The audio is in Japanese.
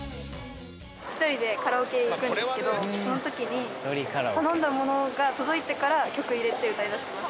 ひとりでカラオケ行くんですけどその時に頼んだものが届いてから曲入れて歌い出します。